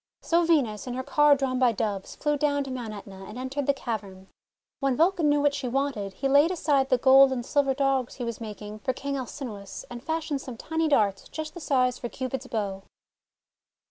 So Venus, in her car drawn by Doves, flew down to Mount ./Etna and entered the cavern. When Vulcan knew what she wanted, he laid aside the gold and silver Dogs he was making for King Alcinous, and fashioned some tiny darts just the size for Cupid's bow.